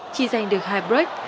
chỉ giành được hai break